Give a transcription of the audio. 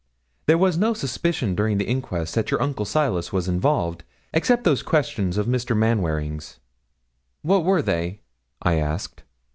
There was no suspicion during the inquest that your uncle Silas was involved, except those questions of Mr. Manwaring's.' 'What were they?' I asked.